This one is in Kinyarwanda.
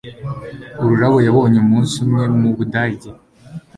Ururabo yabonye umunsi umwe mu Budage